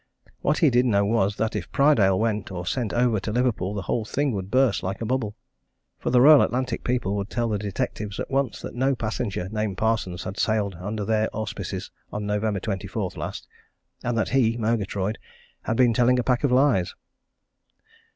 What he did know was that if Prydale went or sent over to Liverpool the whole thing would burst like a bubble. For the Royal Atlantic people would tell the detectives at once that no passenger named Parsons had sailed under their auspices on November 24th last, and that he, Murgatroyd, had been telling a pack of lies.